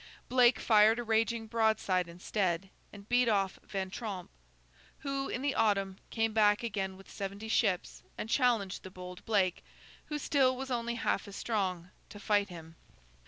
Blake fired a raging broadside instead, and beat off Van Tromp; who, in the autumn, came back again with seventy ships, and challenged the bold Blake—who still was only half as strong—to fight him.